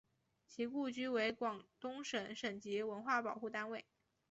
其故居为广东省省级文物保护单位。